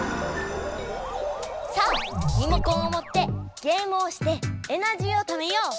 さあリモコンをもってゲームをしてエナジーをためよう！